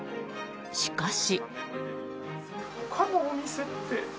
しかし。